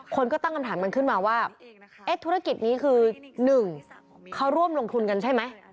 คนก็ตั้งคำถามกันขึ้นมาว่าธุรกิจนี้คือ๑เขาร่วมลงทุนกันใช่ไหม